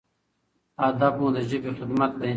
هدف مو د ژبې خدمت دی.